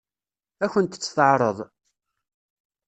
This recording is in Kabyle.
Ad kent-tt-teɛṛeḍ?